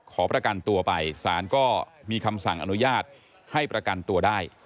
ขอประกันตัวไปสารก็มีคำสั่งอนุญาตให้ประกันตัวได้